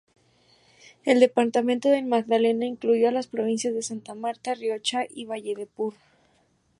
El departamento del Magdalena incluía las provincias de Santa Marta, Riohacha y Valledupar.